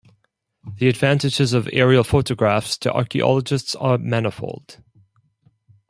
The advantages of aerial photographs to archaeologists are manifold.